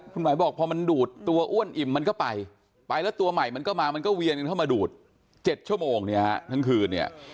คุณหมายบอกพอมันดูดตัวอ้วนอิ่มมันก็ไปไปแล้วตัวใหม่มันก็มามันก็เวียนกันเข้ามาดูด๗ชั่วโมงเนี่ยฮะทั้งคืนเนี่ย